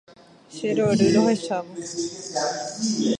Cherory rohechávo